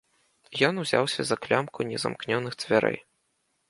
Ён узяўся за клямку незамкнёных дзвярэй.